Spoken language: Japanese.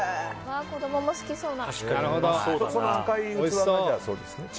子供も好きそう。